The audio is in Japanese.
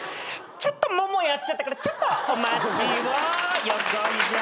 ちょっとももやっちゃったからちょっとお待ちを。